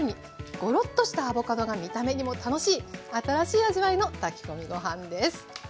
ゴロッとしたアボカドが見た目にも楽しい新しい味わいの炊き込みご飯です。